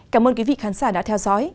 cảm ơn quý vị khán giả đã theo dõi